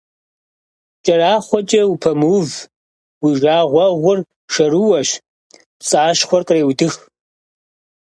КӀэрахъуэкӀэ упэмыув, уи жагъуэгъур шэрыуэщ, пцӀащхъуэр къреудых.